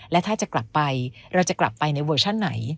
และถ้าจะกลับไปเราจะกลับไปในเวอร์ชั่นไหน